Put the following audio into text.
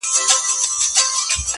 او لا ګورم چي ترټلی د بادار یم!!